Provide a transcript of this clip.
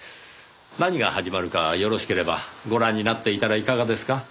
何が始まるかよろしければご覧になっていたらいかがですか？